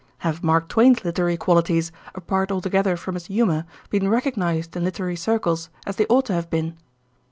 Have Mark Twain's literary qualities, apart altogether from his humour, been recognised in literary circles as they ought to have been?